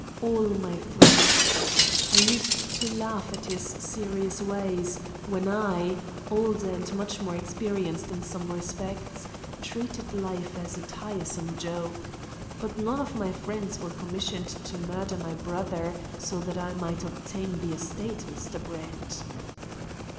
"All my friends. I used to laugh at his serious ways, when I, older and much more experienced in some respects, treated life as a tiresome joke. But none of my friends were commissioned to murder my brother so that I might obtain the estate, Mr. Brett."